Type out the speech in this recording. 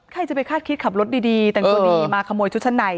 ใครจะไปคาดคิดขับรถดีแต่งตัวดีมาขโมยชุดชั้นใน